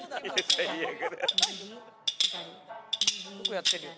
最悪だ。よくやってるよ。